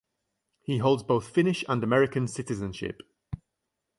He holds both Finnish and American citizenship.